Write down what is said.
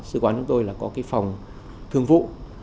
sứ quán chúng tôi là có cái phòng thương vụ